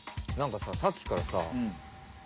なんかささっきからさ